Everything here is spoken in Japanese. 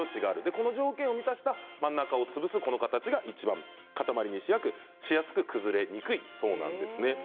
この条件を満たした真ん中を潰す形がいちばん塊にしやすく崩れにくいそうなんですね。